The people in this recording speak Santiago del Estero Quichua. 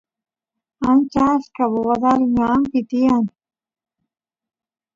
ancha achka bobadal ñanpi tiyan